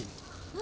何？